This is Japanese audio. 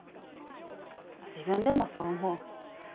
自分でもそう思う。